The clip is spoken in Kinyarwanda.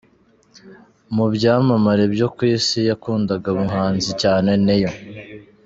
Mu byamamare byo ku Isi, yakundaga umuhanzi cyane Neyo.